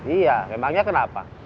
iya emangnya kenapa